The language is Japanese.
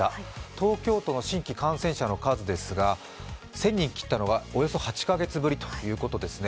東京都の新規感染者の数ですが１０００人切ったのが、およそ８か月ぶりということですね。